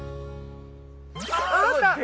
あった！